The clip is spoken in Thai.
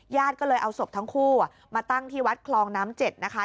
ญาติก็เลยเอาศพทั้งคู่มาตั้งที่วัดคลองน้ำ๗นะคะ